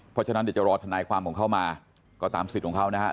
เพราะฉะนั้นเดี๋ยวจะรอทนายความของเขามาก็ตามสิทธิ์ของเขานะครับ